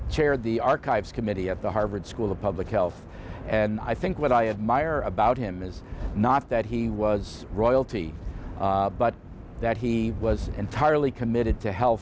พูดถึงการพูดถึงความประวัติศึกและความปลอดภัย